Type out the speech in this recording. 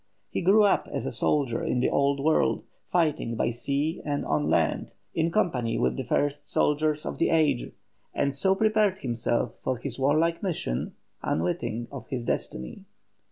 He grew up as a soldier in the Old World, fighting by sea and on land in company with the first soldiers of the age, and so prepared himself for his warlike mission, unwitting of his destiny.